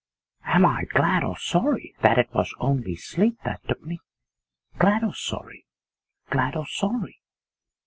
'Am I glad or sorry that it was only sleep that took me, glad or sorry, glad or sorry?